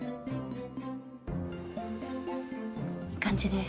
いい感じです。